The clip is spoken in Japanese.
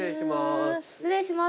失礼します。